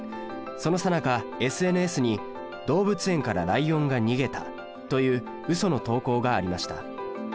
そのさなかＳＮＳに「動物園からライオンが逃げた」といううその投稿がありました。